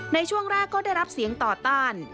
ในช่วงแรกก็ได้รับเสียงต่อต้าน